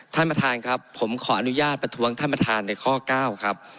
ท่านประธานครับผมขออนุญาตประท้วงท่านประธานในข้อ๙ครับ